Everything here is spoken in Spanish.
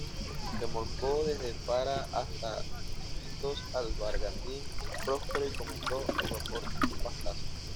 Remolcó desde Pará hasta Iquitos al bergantín "Próspero"; y comandó al vapor "Pastaza".